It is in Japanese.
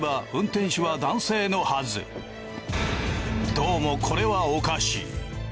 どうもこれはおかしい。